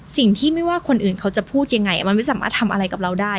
สิ่งที่ไม่ว่าคนอื่นเขาจะพูดยังไงมันไม่สามารถทำอะไรกับเราได้